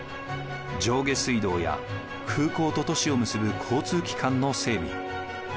上下水道や空港と都市を結ぶ交通機関の整備。